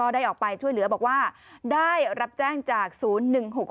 ได้ออกไปช่วยเหลือบอกว่าได้รับแจ้งจากศูนย์๑๖๖